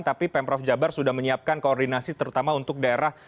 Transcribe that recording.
tapi pemprov jabar sudah menyiapkan koordinasi terutama untuk daerah